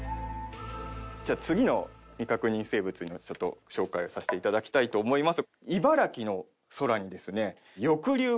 じゃあ次の未確認生物の紹介をさせていただきたいと思います。